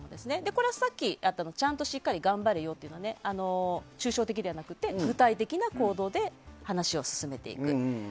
これはさっきやったちゃんと、しっかり頑張れよっていうのは抽象的ではなくて具体的な行動で話を進めていく。